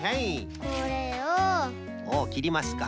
おおきりますか！